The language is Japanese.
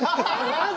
マジ！？